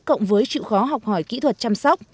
cộng với chịu khó học hỏi kỹ thuật chăm sóc